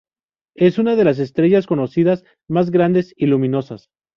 Es una de las estrellas conocidas más grandes y luminosas.